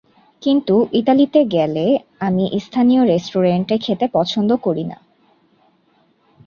কিন্তু ইতালিতে গেলে আমি স্থানীয় রেস্টুরেন্টে খেতে পছন্দ করি না।